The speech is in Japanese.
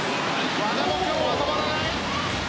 和田も今日は止まらない。